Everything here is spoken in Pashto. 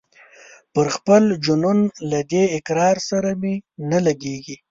پر خپل جنون له دې اقرار سره مي نه لګیږي